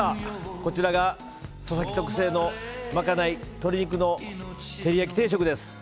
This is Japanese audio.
こちらが佐々木特製のまかない鶏肉の照り焼き定食です。